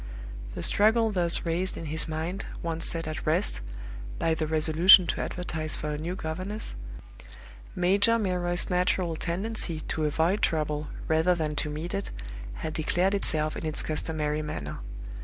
The struggle thus raised in his mind once set at rest, by the resolution to advertise for a new governess, Major Milroy's natural tendency to avoid trouble rather than to meet it had declared itself in its customary manner.